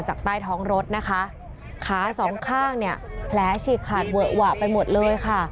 จากใต้ท้องรถนะคะขาสองข้างเนี่ยแผลฉีกขาดเวอะหวะไปหมดเลยค่ะ